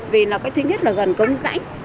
vì nó cái thứ nhất là gần cống rãnh